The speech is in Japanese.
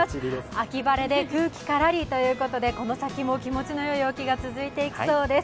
秋晴れで空気カラリということでこの先も気持ちのいい陽気が続いていきそうです。